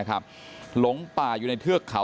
ขอบคุณทุกคน